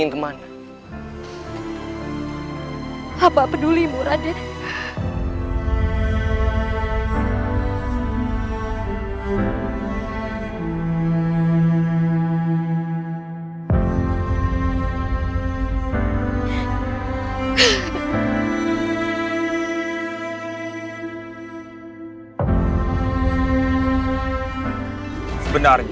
paman kau sungguh sangat santai